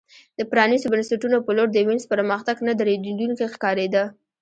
د پرانیستو بنسټونو په لور د وینز پرمختګ نه درېدونکی ښکارېده